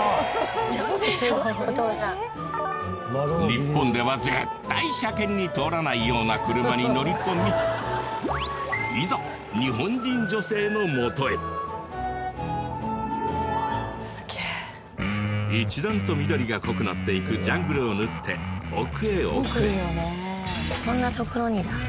日本では絶対車検に通らないような車に乗り込みいざすげー一段と緑が濃くなっていくジャングルを縫って奥へ奥へこんなところにだ